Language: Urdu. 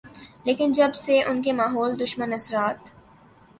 لیکن جب سے ان کے ماحول دشمن اثرات